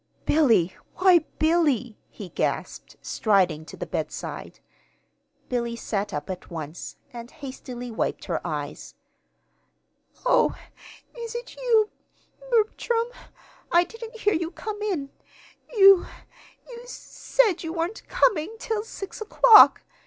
"Billy! Why, Billy!" he gasped, striding to the bedside. Billy sat up at once, and hastily wiped her eyes. "Oh, is it you, B Bertram? I didn't hear you come in. You you s said you weren't coming till six o'clock!"